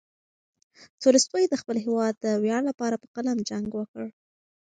تولستوی د خپل هېواد د ویاړ لپاره په قلم جنګ وکړ.